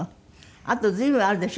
あと随分あるでしょ